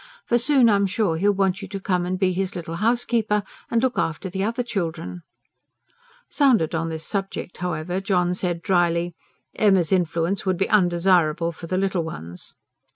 For soon, I'm sure, he'll want you to come and be his little housekeeper, and look after the other children." Sounded on this subject, however, John said dryly: "Emma's influence would be undesirable for the little ones."